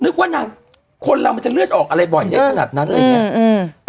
นึกว่านางคนเรามันจะเลือดออกอะไรบ่อยอย่างขนาดนั้นเลย